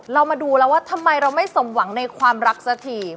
เรามาดูแล้วว่าทำไมเราไม่สมหวังในความรักสักที